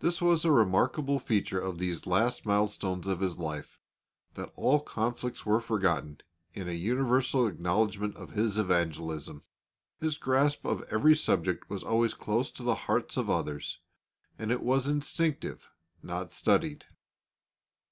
That was a remarkable feature of these last milestones of his life, that all conflicts were forgotten in a universal acknowledgment of his evangelism. His grasp of every subject was always close to the hearts of others, and it was instinctive, not studied.